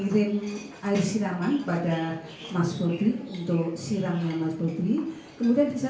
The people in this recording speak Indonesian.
lagi lagi telah sehingga